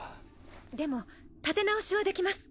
でも立て直しはできます。